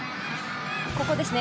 ここですね。